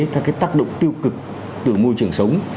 các cái tác động tiêu cực từ môi trường sống